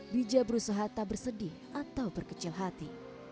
bija berusaha tak bersedih atau berkecil hati